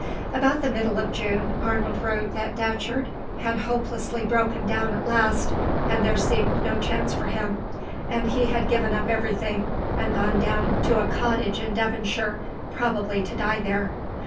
About the middle of June Arnold wrote that Datcherd had hopelessly broken down at last, and there seemed no chance for him, and he had given up everything and gone down to a cottage in Devonshire, probably to die there.